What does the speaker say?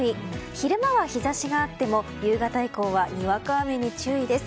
昼間は日差しがあっても夕方以降はにわか雨に注意です。